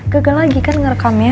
gagal lagi kan ngerekamnya